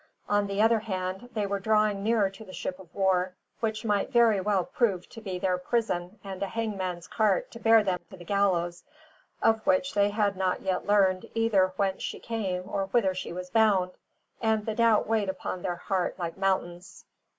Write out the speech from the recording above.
On the other hand, they were drawing nearer to the ship of war, which might very well prove to be their prison and a hangman's cart to bear them to the gallows of which they had not yet learned either whence she came or whither she was bound; and the doubt weighed upon their heart like mountains.